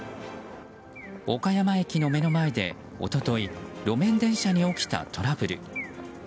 岡山駅の目の前で一昨日路面電車に起きたトラブル。